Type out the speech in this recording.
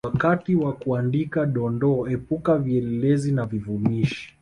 Wakati wa kuandika Dondoo epuka vielezi na vivumishi